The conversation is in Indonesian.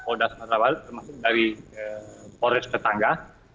polda sumatera barat termasuk dari polres tetangga